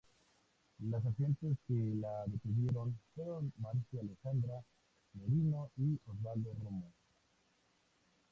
Las agentes que la detuvieron fueron Marcia Alejandra Merino y Osvaldo Romo.